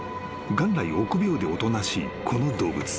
［元来臆病でおとなしいこの動物］